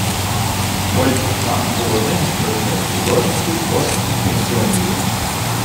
Поль Сезанн був одним з провідних художників постімпресіонізму.